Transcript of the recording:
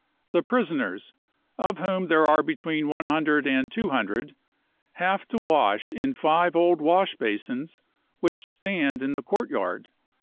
The prisoners, of whom there are between 100 and 200, have to wash in five old wash basins which stand in the courtyard.